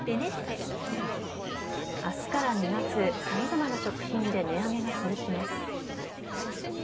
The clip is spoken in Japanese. さまざまな食品で値上げが続きます。